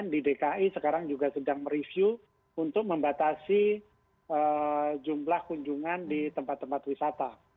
di dki sekarang juga sedang mereview untuk membatasi jumlah kunjungan di tempat tempat wisata